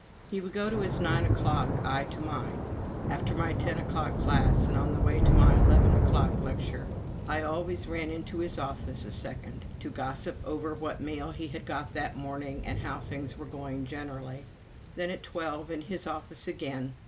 He would go to his nine o'clock, I to mine. After my ten o'clock class, and on the way to my eleven o'clock lecture, I always ran in to his office a second, to gossip over what mail he had got that morning and how things were going generally. Then, at twelve, in his office again.